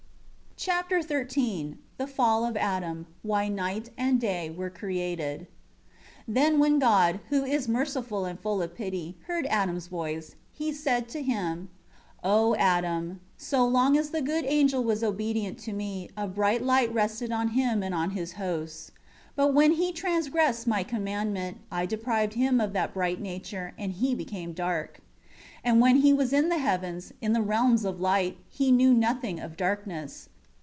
Chapter XIII The fall of Adam. Why night and day were created. 1 Then when God, who is merciful and full of pity, heard Adam's voice, He said to him: 2 "O Adam, so long as the good angel was obedient to Me, a bright light rested on him and on his hosts. 3 But when he transgressed My commandment, I deprived him of that bright nature, and he became dark. 4 And when he was in the heavens, in the realms of light, he knew nothing of darkness.